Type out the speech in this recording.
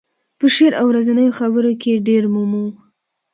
په شعر او ورځنیو خبرو کې یې ډېر مومو.